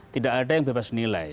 tidak ada yang bebas nilai